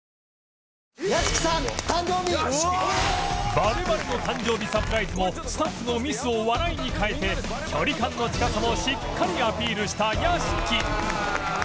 バレバレの誕生日サプライズもスタッフのミスを笑いに変えて距離感の近さもしっかりアピールした屋敷